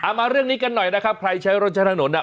มาเรื่องนี้กันหน่อยนะครับใครใช้รถใช้ถนนน่ะ